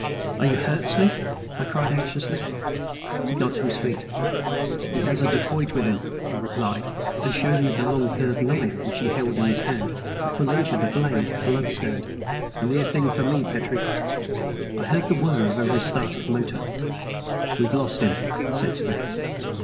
"Are you hurt, Smith?" I cried anxiously. He got upon his feet. "He has a dacoit with him," he replied, and showed me the long curved knife which he held in his hand, a full inch of the blade bloodstained. "A near thing for me, Petrie." I heard the whir of a restarted motor. "We have lost him," said Smith.